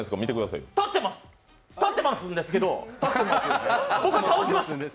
立ってますんですけど、僕は倒しました。